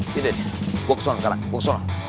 gini deh gue kesana sekarang gue kesana